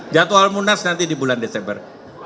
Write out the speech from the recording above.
jadwal munas nanti di bulan desember